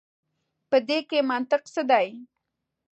په دې کي منطق څه دی.